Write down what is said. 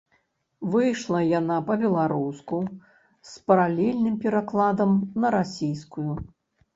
Выйшла яна па-беларуску з паралельным перакладам на расійскую.